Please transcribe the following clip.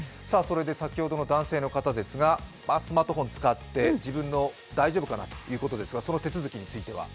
先ほどの男性の方ですが、スマートフォンを使って自分の大丈夫かなという、その手続きについては？